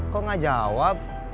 kok nggak jawab